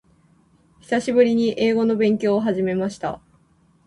久しぶりに英語の勉強を始めました。